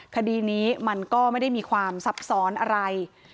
คดีนี้มันก็ไม่ได้มีความซับซ้อนอะไร